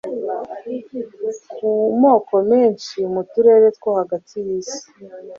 Ku moko menshi mu turere two hagati yisi